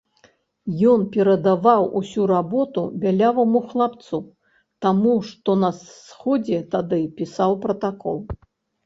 Ён перадаваў усю работу бяляваму хлапцу, таму, што на сходзе тады пісаў пратакол.